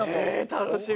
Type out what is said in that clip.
楽しみ！